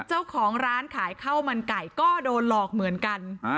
เจ้าของร้านขายข้าวมันไก่ก็โดนหลอกเหมือนกัน